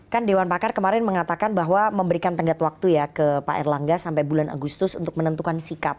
kan dewan pakar kemarin mengatakan bahwa memberikan tenggat waktu ya ke pak erlangga sampai bulan agustus untuk menentukan sikap